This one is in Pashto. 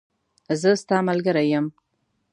زه ستاملګری یم